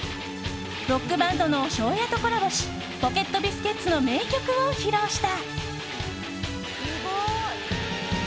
ロックバンドのＳＨＯＷ‐ＹＡとコラボしポケットビスケッツの名曲を披露した。